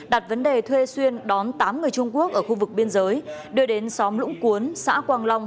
đặt vấn đề thuê xuyên đón tám người trung quốc ở khu vực biên giới đưa đến xóm lũng cuốn xã quang long